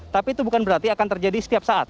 tapi itu bukan berarti akan terjadi setiap saat